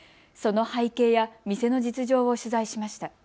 その背景や店の実情を取材しました。